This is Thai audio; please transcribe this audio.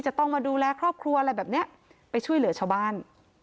จะต้องมาดูแลครอบครัวอะไรแบบเนี้ยไปช่วยเหลือชาวบ้าน